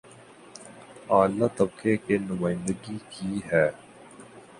اعلی طبقے کی نمائندگی کی ہے